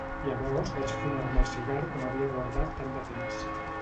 Llavors vaig fumar-me el cigar que m'havia guardat tant de temps